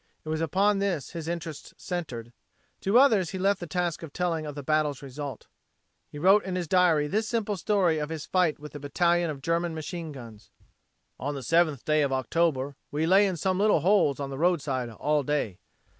It was upon this his interests centered. To others he left the task of telling of the battle's result. He wrote in his diary this simple story of his fight with the battalion of German machine guns: "On the 7th day of October we lay in some little holes on the roadside all day.